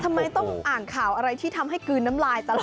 ทำไมต้องอ่านข่าวอะไรที่ทำให้กลืนน้ำลายตลอด